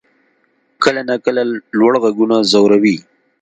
کله ناکله لوړ غږونه ځوروي.